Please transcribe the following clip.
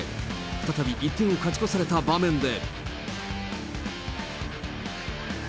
再び１点を勝ち越された場面で。